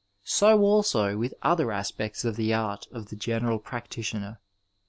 So also with other aspects of the art of the general practitioner.